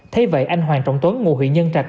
thế vậy anh hoàng trọng tuấn ngụ huyện nhân trạch